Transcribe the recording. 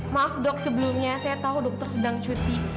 maaf dok sebelumnya saya tahu dokter sedang cuti